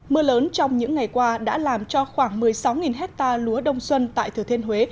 mưa lớn trong những ngày qua đã làm cho khoảng một mươi sáu hectare lúa đông xuân tại thừa thiên huế